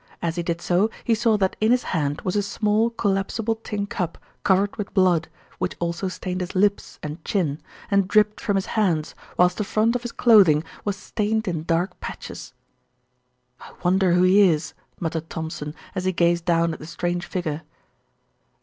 As he did so he saw that in his hand was a small, collapsible tin cup covered with blood, which also stained his lips and chin, and dripped from his hands, whilst the front of his clothing was stained in dark patches. "I wonder who he is," muttered Thompson, as he gazed down at the strange figure.